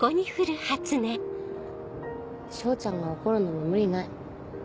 彰ちゃんが怒るのも無理ない。